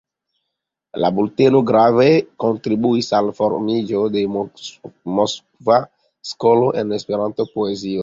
La bulteno grave kontribuis al formiĝo de Moskva skolo en Esperanto-poezio.